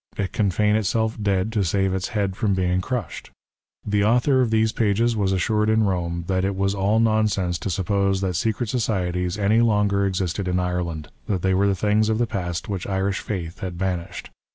It can feign itself dead to save its head from being crushed. The author of these pages was assured in Eome, that it was all nonsense to suppose that secret societies any longer existed in Ireland; that they were things of the past which Irish Faith had banished.